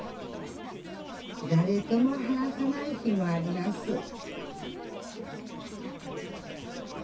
だれとも話さない日もあります